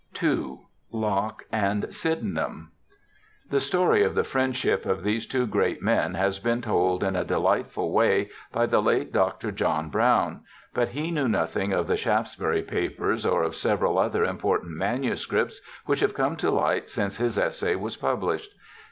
II. Locke and Sydenham The story of the friendship of these two great men has been told in a delightful way by the late Dr. John Brown, but he knew nothing of the Shaftesbury papers or of several other important manuscripts which have come to light since his essay was published.